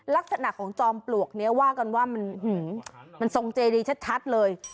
ลักษณะของจอมปลวกนี้ว่ากันว่ามันทรงเจดีชัดเลย